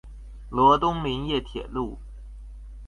羅東林業鐵路